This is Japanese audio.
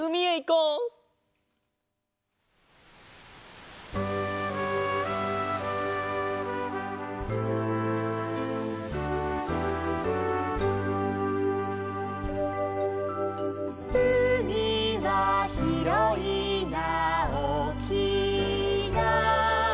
「うみはひろいなおおきいな」